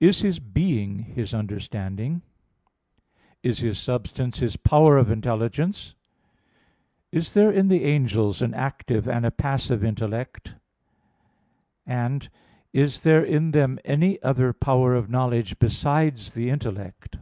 (2) Is his being his understanding? (3) Is his substance his power of intelligence? (4) Is there in the angels an active and a passive intellect? (5) Is there in them any other power of knowledge besides the intellect?